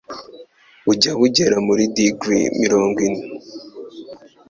bujya bugera muri Degree mirongo ine